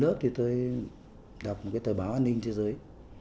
lên lớp thì tôi đọc một cái tờ báo an ninh thế giới